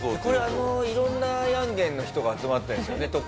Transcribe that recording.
これ色んなヤンゲンの人が集まってるんですよね？